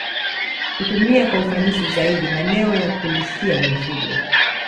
Kutumia kwa ufanisi zaidi maeneo ya kulishia mifugo